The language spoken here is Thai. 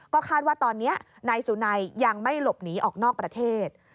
ก็คาดว่าตอนนี้นายสุนัยยังไม่หลบหนีออกนอกประเทศ